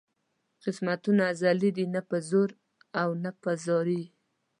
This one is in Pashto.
قسمتونه ازلي دي نه په زور او نه په زارۍ.